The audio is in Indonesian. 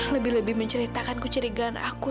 lebih lebih menceritakan kecurigaan aku